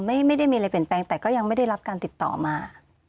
ไม่ได้มีอะไรเปลี่ยนแปลงแต่ก็ยังไม่ได้รับการติดต่อมา